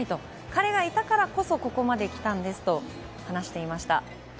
彼がいたからこそここまで来たんだと話していました。